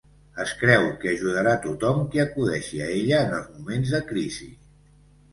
Es creu que ajudarà tothom qui acudeixi a ella en els moments de crisi.